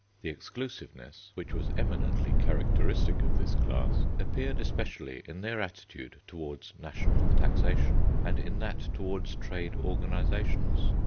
The exclusiveness, which was eminently characteristic of this class, appeared especially in their attitude towards national taxation and in that towards trade organisations.